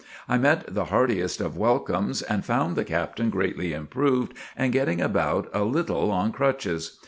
I met the heartiest of welcomes, and found the Captain greatly improved and getting about a little on crutches.